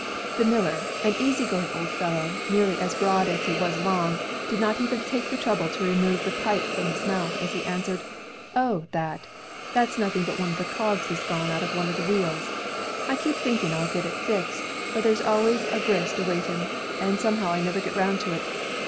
The miller, an easy going old fellow, nearly as broad as he was long, did not even take the trouble to remove the pipe from his mouth, as he answered: "O, that! That's nothing but just one of the cogs is gone out of one of the wheels. I keep thinking I'll get it fixed; but there's always a grist a waiting, so somehow I never get 'round to it.